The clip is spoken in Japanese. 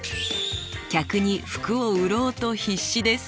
客に服を売ろうと必死です。